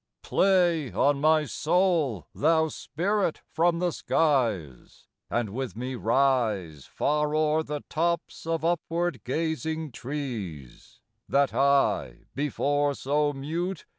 Play on my soul, thou Spirit from the skies ! And with me rise Far o'er the tops of upward gazing trees ; That I, before so mute.